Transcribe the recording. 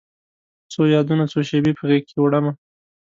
څو یادونه، څو شیبې په غیږکې وړمه